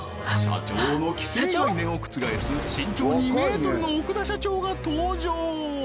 社長の既成概念を覆す身長２ｍの奥田社長が登場